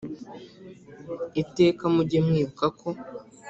iteka mujye mwibuka ko